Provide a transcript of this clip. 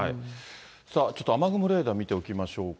さあちょっと、雨雲レーダー見ておきましょうか。